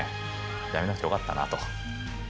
やめなくてよかったなと。